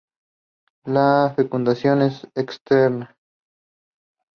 Their homes were burned and their possessions taken.